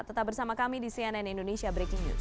tetap bersama kami di cnn indonesia breaking news